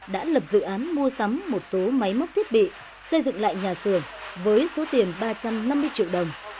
đã lập dự án mua sắm một số máy móc thiết bị xây dựng lại nhà xưởng với số tiền ba trăm năm mươi triệu đồng